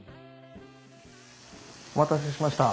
お待たせしました。